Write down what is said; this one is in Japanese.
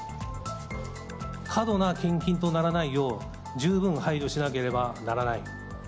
過度な献金とならないよう、十分配慮しなければならない。